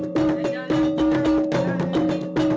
selama posuo berlangsung